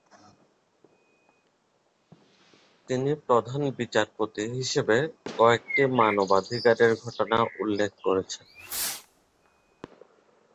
তিনি প্রধান বিচারপতি হিসাবে কয়েকটি মানবাধিকারের ঘটনা উল্লেখ করেছিলেন।